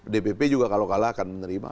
dpp juga kalau kalah akan menerima